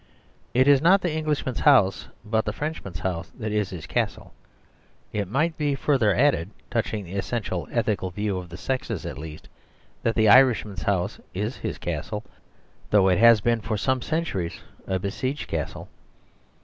It is not the Englishman's house, but the Frenchman's house that is his castle. It might be further added, touching the essential ethi cal view of the sexes at least, that the Irish man's house is his castle; though it has been for some centuries a besieged castle.